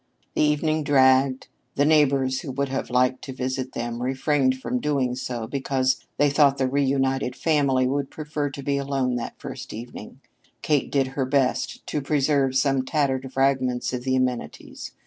The evening dragged. The neighbors who would have liked to visit them refrained from doing so because they thought the reunited family would prefer to be alone that first evening. Kate did her best to preserve some tattered fragments of the amenities.